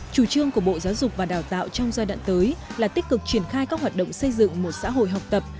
chủ trương của bộ giáo dục và đào tạo trong giai đoạn tới là tích cực triển khai các hoạt động xây dựng một xã hội học tập